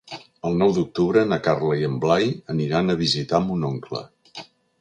El nou d'octubre na Carla i en Blai aniran a visitar mon oncle.